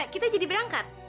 kita jadi berangkat